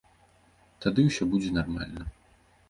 Тады ўсё будзе нармальна.